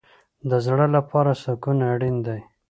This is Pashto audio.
د زړه لپاره سکون اړین دی